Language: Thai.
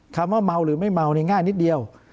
ว่าเมาหรือไม่เมาเนี่ยง่ายนิดเดียว